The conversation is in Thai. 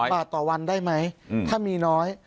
บาทต่อวันได้ไหมถ้ามีน้อย